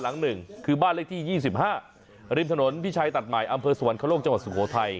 เลขที่๒๕ริมถนนพิชัยตัดหมายอำเภอสวรรคโลกจังหวัดสุโขทัย